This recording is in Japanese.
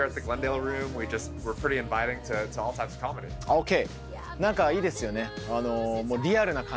ＯＫ。